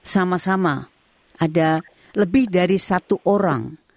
sama sama ada lebih dari satu orang